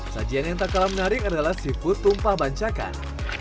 sajian yang tak kalah menarik adalah seafood tumpah bancakan